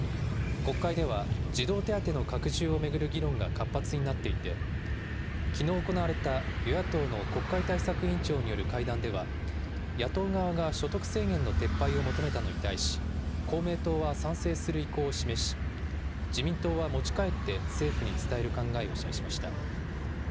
国会では児童手当の拡充を巡る議論が活発になっていて、きのう行われた与野党の国会対策委員長による会談では、野党側が所得制限の撤廃を求めたのに対し、公明党は賛成する意向を示し、自民党は持ち帰って政府に伝える考えを示しました。